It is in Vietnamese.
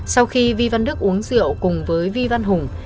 sau khi vi văn đức uống rượu cùng với vi văn hùng